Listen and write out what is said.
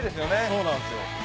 そうなんですよ。